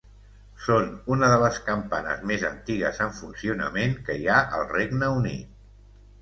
Són unes de les campanes més antigues en funcionament que hi ha al Regne Unit.